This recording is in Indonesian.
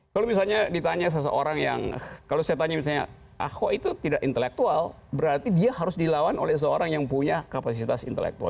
kalau misalnya ditanya seseorang yang kalau saya tanya misalnya ahok itu tidak intelektual berarti dia harus dilawan oleh seorang yang punya kapasitas intelektual